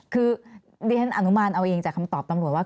คือเรียนอนุมานเอาเองจากคำตอบตำรวจว่า